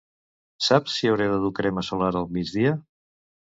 Saps si hauré de dur crema solar al migdia?